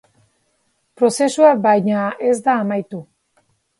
Prozesua, baina, ez da amaitu.